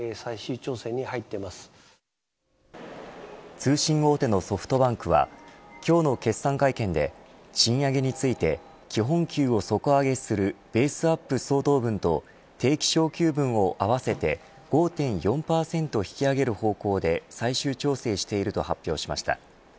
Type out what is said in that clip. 通信大手のソフトバンクは今日の決算会見で賃上げについて基本給を底上げするベースアップ相当分と定期昇給分を合わせて５．４％引き上げる方向で最終調整していると発表しました。